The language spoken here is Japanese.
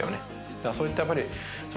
だからそういったやっぱり。